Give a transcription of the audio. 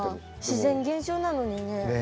自然現象なのにね。